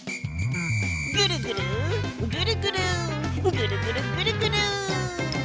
「ぐるぐるぐるぐるぐるぐるぐるぐる」